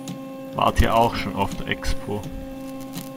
Wart ihr auch schon auf der Expo?